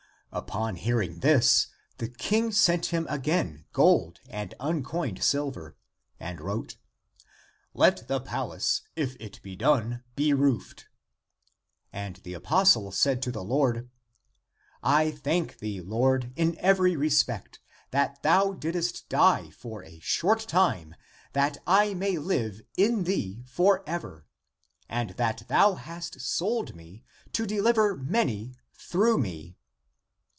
Upon hearing this, the King sent him again gold and uncoined silver and wrote, " Let the palace, if it be done, be roofed." And the apostle said to the Lord, " I thank thee. Lord, in every respect, that thou didst die for a short time, that I may live in thee for ever, and that thou hast sold me, to deliver many through me."